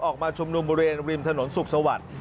ออกมาชุมนุมบริเวณริมถนนสุขสวัสดิ์